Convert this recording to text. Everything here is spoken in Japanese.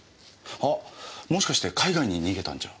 あっもしかして海外に逃げたんじゃ？